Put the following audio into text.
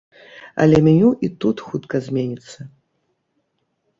Але меню і тут хутка зменіцца.